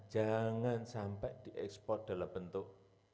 jangan sampai diekspor dalam bentuk